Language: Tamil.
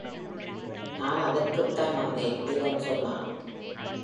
‘நான் அதற்குத்தான் வந்தேன்,’ வீரன் சொன்னான்.